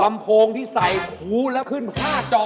ลำโพงที่ใส่หูและขึ้นห้าจอ